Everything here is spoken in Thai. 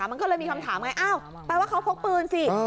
มันก็เลยมีคำถามไงอ้าวแปลว่าเขาพกปืนสิ